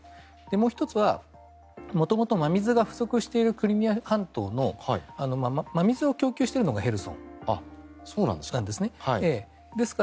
もう１つは元々、真水が不足しているクリミア半島の真水を供給しているのがヘルソンなんですね。